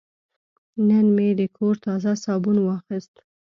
نن مې د کور تازه صابون واخیست.